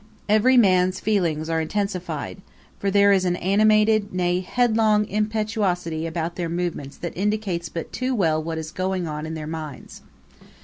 Every man's feelings are intensified, for there is an animated, nay, headlong, impetuosity about their movements that indicates but too well what is going on in their minds.